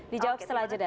dijawab setelah jeda